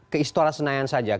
ke istora senayan saja